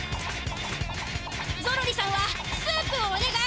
ゾロリさんはスープをおねがい！